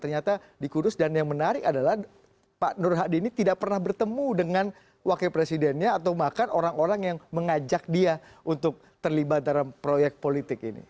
ternyata di kudus dan yang menarik adalah pak nur hadi ini tidak pernah bertemu dengan wakil presidennya atau bahkan orang orang yang mengajak dia untuk terlibat dalam proyek politik ini